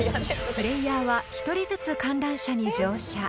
［プレーヤーは１人ずつ観覧車に乗車］